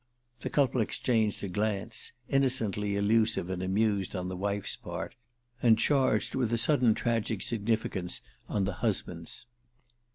The couple exchanged a glance, innocently allusive and amused on the wife's part, and charged with a sudden tragic significance on the husband's.